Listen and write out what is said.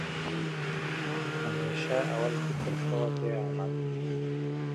Wade used his vast wealth to benefit the city of Cleveland.